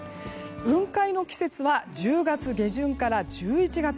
雲海の季節は１０月下旬から１１月。